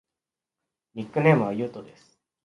ニックネームはゆうとです。